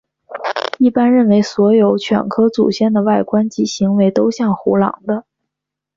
一般认为所有犬科祖先的外观及行为都像胡狼的。